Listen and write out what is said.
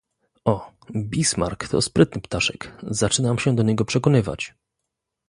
"O, Bismark to sprytny ptaszek, zaczynam się do niego przekonywać!..."